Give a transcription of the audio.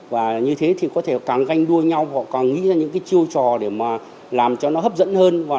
và như thế thì có thể càng ganh đua nhau họ càng nghĩ ra những cái chiêu trò để mà làm cho nó hấp dẫn hơn